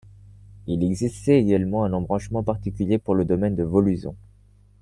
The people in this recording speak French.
Il existait également un embranchement particulier pour le domaine de Vauluisant.